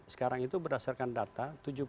sekarang itu berdasarkan data